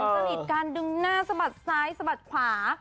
สนิทการดึงหน้าสะบัดซ้ายสะบัดขวา